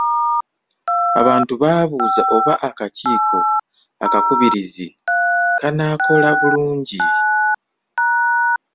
Abantu baabuuza oba akakiiko akakubirizi kanaakola bulungi.